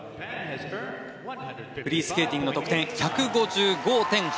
フリースケーティングの得点１５５．８９。